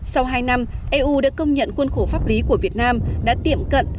sau hai năm eu đã công nhận khuôn khổ pháp lý của việt nam đã tiệm cận